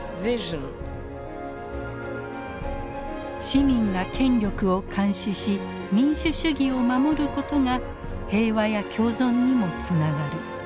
市民が権力を監視し民主主義を守ることが平和や共存にもつながる。